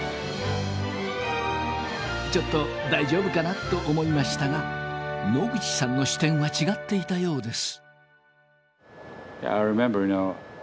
ちょっと大丈夫かな？と思いましたが野口さんの視点は違っていたようです。